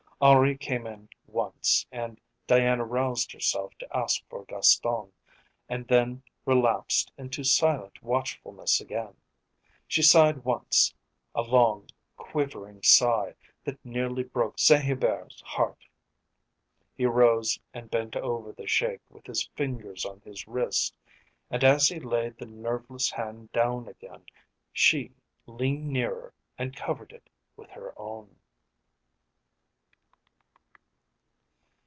Henri came in once and Diana roused herself to ask for Gaston, and then relapsed into silent watchfulness again. She sighed once, a long quivering sigh that nearly broke Saint Hubert's heart. He rose and bent over the Sheik with his fingers on his wrist, and as he laid the nerveless hand down again she leaned nearer and covered it with her own.